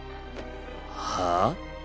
はあ？